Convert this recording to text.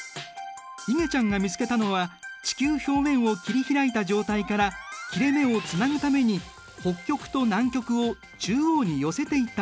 いげちゃんが見つけたのは地球表面を切り開いた状態から切れ目をつなぐために北極と南極を中央に寄せていったもの。